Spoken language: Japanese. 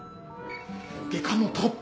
外科のトップ？